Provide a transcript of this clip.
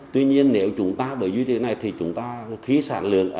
tuy nhiên nếu chúng ta bởi dưới tỷ lệ này thì chúng ta khí sản lượng